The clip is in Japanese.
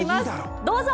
どうぞ！